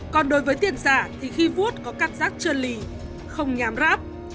còn đối với tiền giả thì khi vuốt có cảm giác trơn lì không nhám ráp